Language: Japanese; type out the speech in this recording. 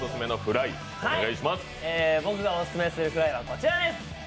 僕がオススメするフライはこちらです。